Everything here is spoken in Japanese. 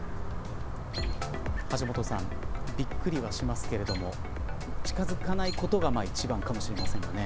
橋下さんびっくりはしますけれども近づかないことが一番かもしれませんがね。